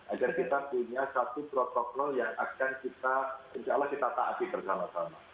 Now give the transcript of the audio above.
agar kita punya satu protokol yang akan kita insya allah kita taati bersama sama